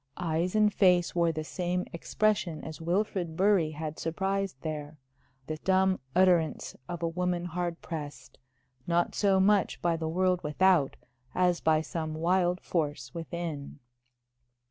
Eyes and face wore the same expression as Wilfrid Bury had surprised there the dumb utterance of a woman hard pressed, not so much by the world without as by some wild force within.